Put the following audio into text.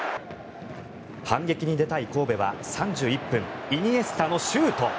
反撃に出たい神戸は３１分イニエスタのシュート。